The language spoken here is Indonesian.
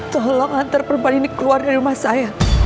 tolong antar perempuan ini keluar dari rumah saya